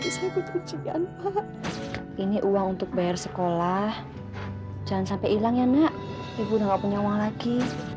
bisa kecuali ini uang untuk bayar sekolah jangan sampai hilang ya nak ibu nggak punya uang lagi